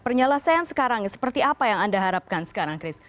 penyelesaian sekarang seperti apa yang anda harapkan sekarang chris